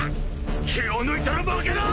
気を抜いたら負けだ！